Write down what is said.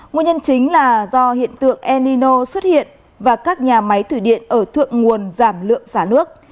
nguyên nhân chính là do hiện tượng el nino xuất hiện và các nhà máy thủy điện ở thượng nguồn giảm lượng xả nước